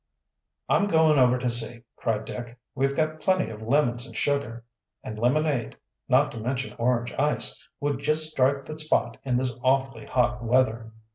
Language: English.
"I'm going over to see," cried Dick. "We've got plenty of lemons and sugar; and lemonade, not to mention orange ice, would just strike the spot in this awfully hot weather."